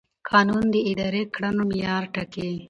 قانون د ادارې د کړنو معیار ټاکي.